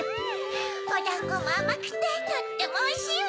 おだんごもあまくてとってもおいしいわ！